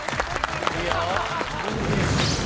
いいよ。